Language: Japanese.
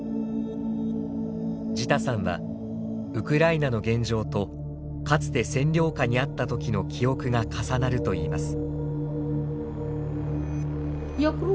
ジタさんはウクライナの現状とかつて占領下にあった時の記憶が重なるといいます。